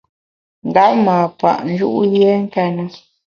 Ndap ma pa’ nju’ yié nkéne.